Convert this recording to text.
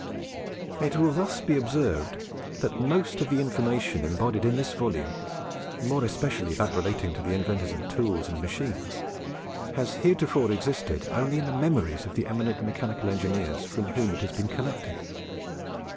It will thus be observed that most of the information embodied in this volume, more especially that relating to the inventors of tools and machines, has heretofore existed only in the memories of the eminent mechanical engineers from whom it has been collected.